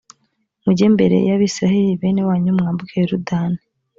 mujye imbere y’abayisraheli bene wanyu mwambuke yorudani.